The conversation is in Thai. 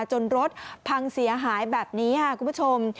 จนรถพังเสียหายแบบนี้ค่ะคุณผู้ชม